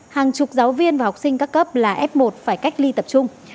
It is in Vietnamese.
hàng chục giáo viên và học sinh các cấp là f một phải cách ly tập trung